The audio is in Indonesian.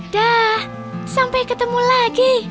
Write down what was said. dah sampai ketemu lagi